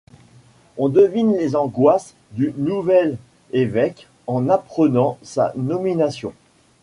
On devine les angoisses du nouvel évêque en apprenant sa nomination.